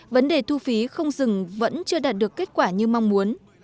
vấn đề thu phí không dừng vẫn chưa đạt được kết quả như mong muốn